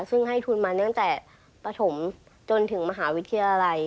ซึ่งให้ทุนมาตั้งแต่ปฐมจนถึงมหาวิทยาลัย